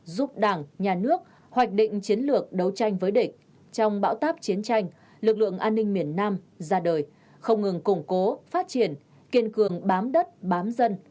định chiến lược đấu tranh với địch trong bão táp chiến tranh lực lượng an ninh miền nam ra đời không ngừng củng cố phát triển kiên cường bám đất bám dân